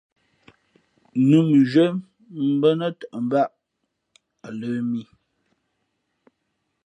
Nǔ mʉnzhwīē bα̌ nά tαʼ mbāʼ a lə̄ mī.